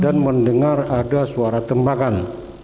dan mendengar ada suara tembakan